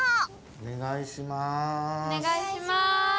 ⁉おねがいします。